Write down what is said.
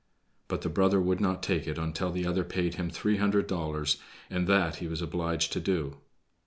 But the brother would not take it until the other paid him three hundred dollars, and that he was obliged to do.